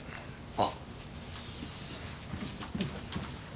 あっ！？